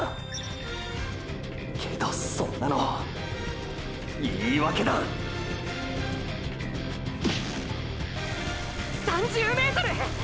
けどそんなの言い訳だ３０ｍ！！